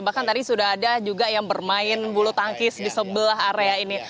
bahkan tadi sudah ada juga yang bermain bulu tangkis di sebelah area ini